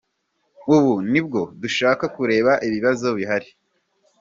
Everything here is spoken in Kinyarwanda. Ubu nibwo dushaka kureba ibibazo bihari.